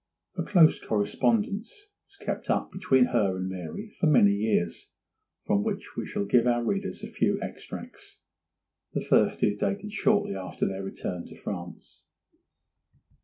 A close correspondence was kept up between her and Mary for many years, from which we shall give our readers a few extracts. The first is dated shortly after their return to France.